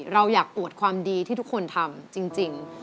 เราอยากอวดความดีที่ทุกคนทำจริง